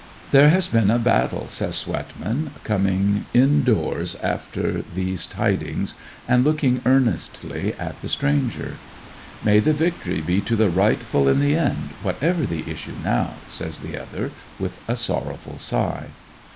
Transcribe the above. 'There has been a battle,' says Swetman, on coming indoors after these tidings, and looking earnestly at the stranger. 'May the victory be to the rightful in the end, whatever the issue now,' says the other, with a sorrowful sigh.